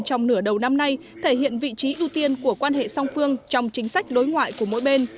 trong nửa đầu năm nay thể hiện vị trí ưu tiên của quan hệ song phương trong chính sách đối ngoại của mỗi bên